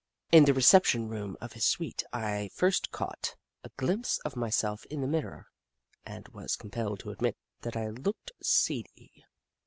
In the reception room of his suite, I first caught a gHmpse of myself in a mirror, and was com pelled to admit that I looked seedy.